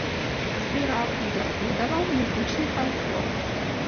Збіраў і даследаваў музычны фальклор.